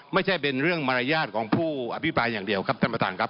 ไม่ใช่เป็นเรื่องมารยาทของผู้อภิปรายอย่างเดียวครับท่านประธานครับ